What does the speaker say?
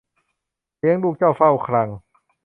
เลี้ยงลูกเจ้าเฝ้าคลัง